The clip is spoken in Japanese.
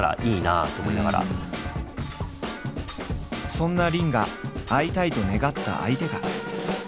そんな林が会いたいと願った相手が。